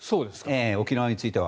沖縄については。